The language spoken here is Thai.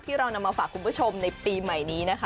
เรานำมาฝากคุณผู้ชมในปีใหม่นี้นะคะ